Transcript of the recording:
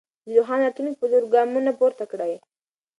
د روښانه راتلونکي په لور ګامونه پورته کړئ.